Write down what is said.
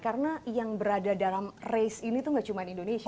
karena yang berada dalam race ini itu tidak cuma indonesia